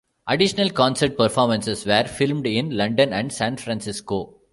Additional concert performances were filmed in London and San Francisco.